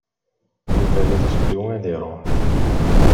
Yuba la yettedu ad iṛuḥ.